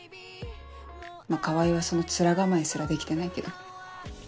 まぁ川合はその面構えすらできてないけど。